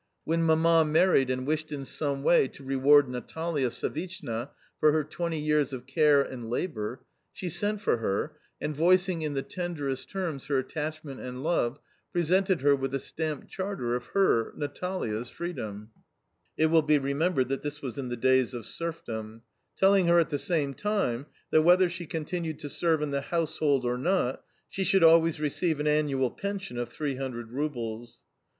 When Mamma married and wished in some way to reward Natalia Savishna for her twenty years of care and labour, she sent for her and, voicing in the tenderest terms her attachment and love, presented her with a stamped charter of her (Natalia's) freedom, [It will be remembered that this was in the days of serfdom] telling her at the same time that, whether she continued to serve in the household or not, she should always receive an annual pension of 300 roubles.